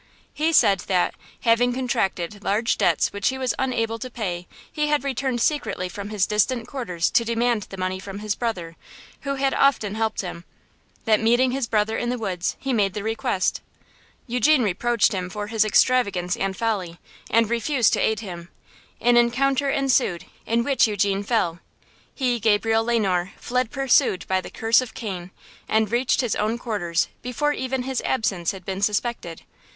He said that, having contracted large debts which he was unable to pay he had returned secretly from his distant quarters to demand the money from his brother, who had often helped him; that, meeting his brother in the woods, he made this request. Eugene reproached him for his extravagance and folly, and refused to aid him; an encounter ensued, in which Eugene fell. He, Gabriel Le Noir, fled pursued by the curse of Cain, and reached his own quarters before even his absence had been suspected.